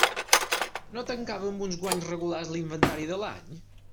No tancava amb uns guanys regulars l'inventari de l'any?